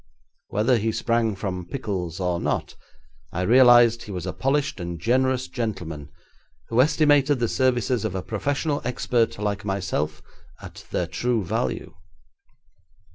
Whether he sprang from pickles or not, I realised he was a polished and generous gentleman, who estimated the services of a professional expert like myself at their true value.